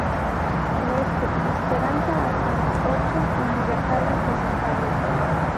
Oeste: Esperanza hasta Mapocho y Libertad hasta San Pablo.